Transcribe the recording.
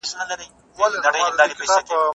ټول بشريت د ژوند حق غواړي.